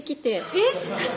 えっ？